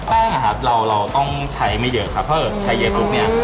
แป้งอะครับเราต้องใช้ไม่เยอะครับเพราะฉะนั้นใช้เย็บนู้นเนี่ย